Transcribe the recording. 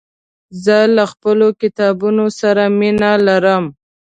زه له خپلو کتابونو سره مينه لرم.